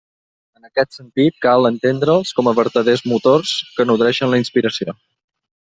En aquest sentit, cal entendre'ls com a vertaders motors que nodreixen la inspiració.